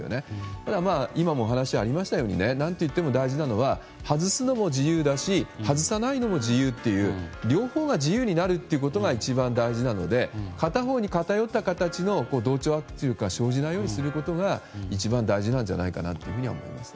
ただ、今もお話にありましたが何といっても大事なのは外すのも自由だし外さないのも自由という両方が自由になることが一番大事なので片方に偏った形の同調圧力が生じないようにすることが一番大事なんじゃないかと思いますね。